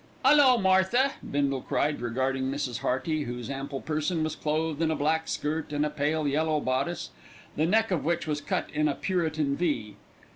"'Ullo, Martha," Bindle cried, regarding Mrs. Hearty, whose ample person was clothed in a black skirt and a pale yellow bodice, the neck of which was cut in a puritan "V."